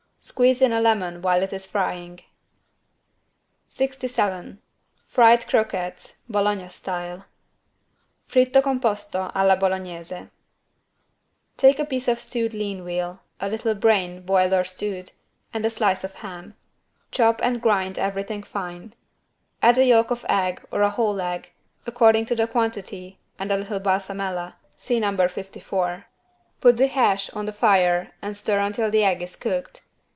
Squeeze in a lemon while it is frying. 67 FRIED CROQUETTES, BOLOGNA STYLE (Fritto composto alla Bolognese) Take a piece of stewed lean veal, a little brain boiled or stewed, and a slice of ham. Chop and grind everything fine. Add a yolk of egg or a whole egg, according to the quantity, and a little =Balsamella= (see No. 54). Put the hash on the fire and stir until the egg is cooked.